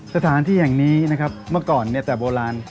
สถานที่แห่งนี้นะครับเมื่อก่อนเนี่ยแต่โบราณ